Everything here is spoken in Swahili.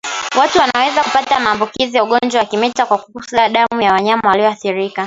Watu wanaweza kupata maambukizi ya ugonjwa wa kimeta kwa kugusa damu ya wanyama walioathirika